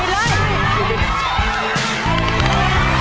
อีสี่ใบทุกนัก